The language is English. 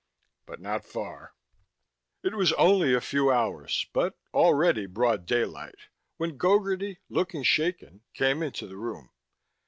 But not far. It was only a few hours, but already broad daylight when Gogarty, looking shaken, came into the room.